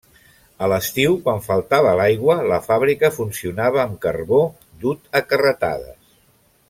A l'estiu, quan faltava l'aigua, la fàbrica funcionava amb carbó, dut a carretades.